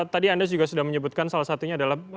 tadi anda juga sudah menyebutkan salah satunya adalah